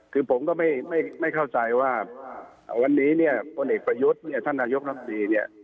คือผมก็ไม่เข้าใจว่าวันนี้เนี่ยพลเอกประยุทธ์เนี่ยท่านนายกรัฐมนตรีเนี่ย